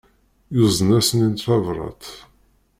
Yuzen-asen-in tabrat.